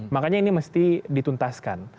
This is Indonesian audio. makanya ini mesti dituntaskan